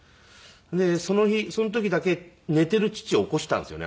でその日その時だけ寝ている父を起こしたんですよね